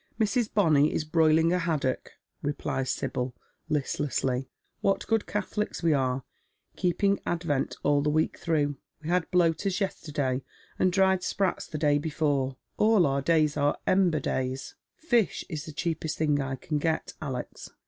" Mrs. Bonny is broiling a haddock," replies Sibyl, listlessly. " What good Catholics we are 1 keeping Advent all the week 15 Dtad Men's Shoes. through. "We h d bloaters yesterday, and dried sprats the day before. All our days are Ember days." " Fish is the cheapest thing I can get, Alex."